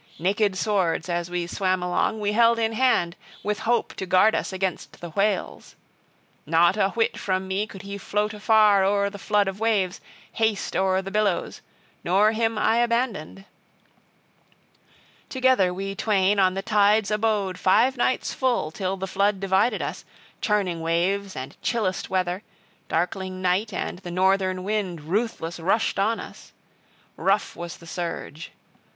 Naked swords, as we swam along, we held in hand, with hope to guard us against the whales. Not a whit from me could he float afar o'er the flood of waves, haste o'er the billows; nor him I abandoned. Together we twain on the tides abode five nights full till the flood divided us, churning waves and chillest weather, darkling night, and the northern wind ruthless rushed on us: rough was the surge.